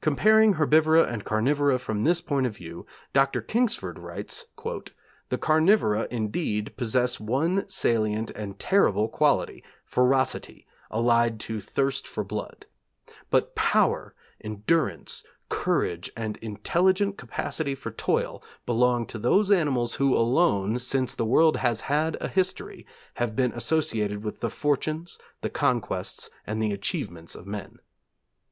Comparing herbivora and carnivora from this point of view Dr. Kingsford writes: 'The carnivora, indeed, possess one salient and terrible quality, ferocity, allied to thirst for blood; but power, endurance, courage, and intelligent capacity for toil belong to those animals who alone, since the world has had a history, have been associated with the fortunes, the conquests, and the achievements of men.'